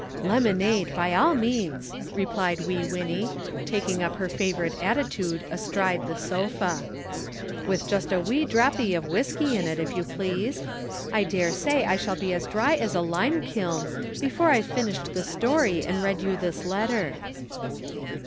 "Lemonade by all means," replied Wee Winnie, taking up her favorite attitude astride the sofa. "With just a wee drappie of whiskey in it, if you please. I daresay I shall be as dry as a lime kiln before I've finished the story and read you this letter."